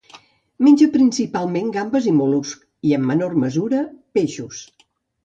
Menja principalment gambes i mol·luscs, i, en menor mesura, peixos.